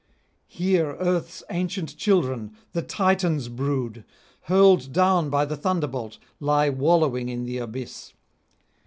Here Earth's ancient children, the Titans' brood, hurled down by the thunderbolt, lie wallowing in the abyss.